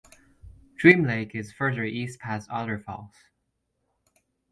Dream Lake is further east past Otter Falls.